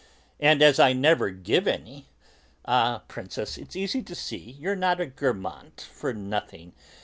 And as I never give any..." "Ah! Princess, it's easy to see you're not a Guermantes for nothing.